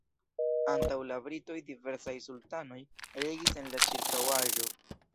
Antaŭ la britoj diversaj sultanoj regis en la ĉirkaŭaĵo.